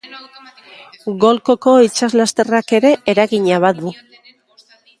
Golkoko itsaslasterrak ere eragina badu.